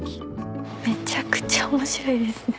めちゃくちゃ面白いですね。